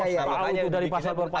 kalau itu dari pasal pasal